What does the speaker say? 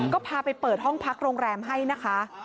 ก็พาไปเปิดห้องพักโรงแรมให้นะคะ